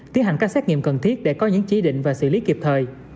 tiến hành các xét nghiệm cần thiết để có những chỉ định và xử lý kịp thời